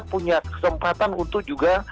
punya kesempatan untuk juga